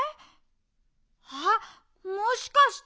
あっもしかして！